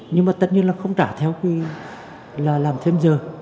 nhưng mà tất nhiên là không trả theo quy là làm thêm giờ